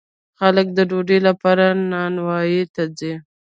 خلک د ډوډۍ لپاره نانواییو ته ځي.